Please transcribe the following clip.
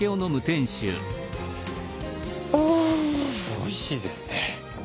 おいしいですね。